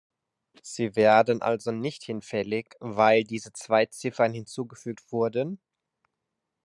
Sie werden also nicht hinfällig, weil diese zwei Ziffern hinzugefügt wurden?